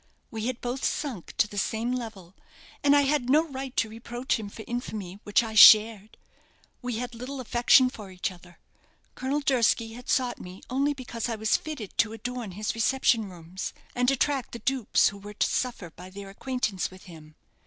We had both sunk to the same level, and I had no right to reproach him for infamy which I shared. We had little affection for each other. Colonel Durski had sought me only because I was fitted to adorn his reception rooms, and attract the dupes who were to suffer by their acquaintance with him.